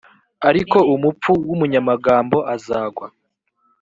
ariko umupfu w umunyamagambo azagwa